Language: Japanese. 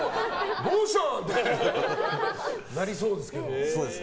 どうした！？ってなりそうですけど。